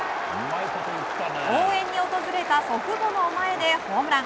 応援に訪れた、祖父母の前でホームラン！